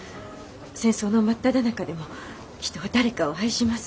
戦争の真っただ中でも人は誰かを愛します。